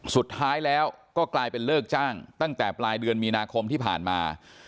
สุดท้ายแล้วก็กลายเป็นเลิกจ้างตั้งแต่ปลายเดือนมีนาคมที่ผ่านมา